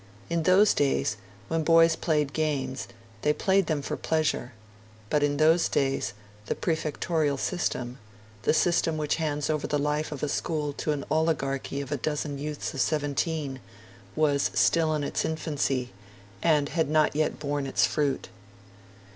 In those days, when boys played games they played them for pleasure; but in those days the prefectorial system the system which hands over the life of a school to an oligarchy of a dozen youths of seventeen was still in its infancy, and had not yet borne its fruit.